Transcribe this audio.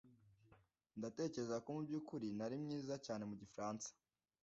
Ndatekereza ko mubyukuri ntari mwiza cyane mu gifaransa